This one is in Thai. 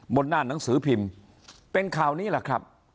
บนหน้าหนังสือพิมพ์เป็นข่าวนี้แหละครับ